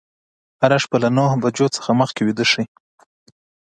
هره شپه له نهه بجو څخه مخکې ویده شئ.